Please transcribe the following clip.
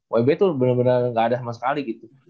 wb tuh bener bener gak ada sama sekali gitu